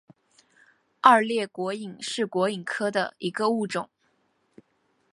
二裂果蝇是果蝇科的一个物种。